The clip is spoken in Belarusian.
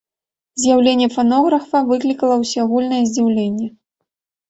З'яўленне фанографа выклікала ўсеагульнае здзіўленне.